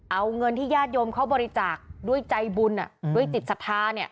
เอาเงินที่ญาติโยมเขาบริจาคด้วยใจบุญด้วยจิตศรัทธา